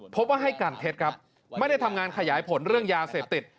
พบว่าให้การเท็จครับไม่ได้ทำงานขยายผลเรื่องยาเสพติด